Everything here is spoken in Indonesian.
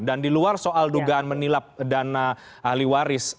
dan di luar soal dugaan menilap dana ahli waris